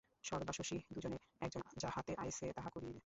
শরৎ বা শশী দুইজনের একজন যাহাতে আইসে তাহা করিবে।